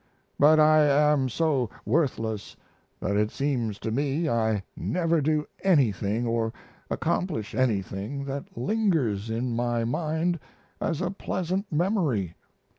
But I am so worthless that it seems to me I never do anything or accomplish anything that lingers in my mind as a pleasant memory.